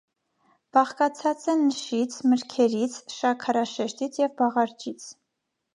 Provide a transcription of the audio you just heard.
Բաղկացած է նշից, մրգերից, շաքարաշետցից և բաղարջից։